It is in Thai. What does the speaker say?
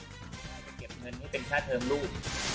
วันนี้เป็นฆ่าเทิมลูก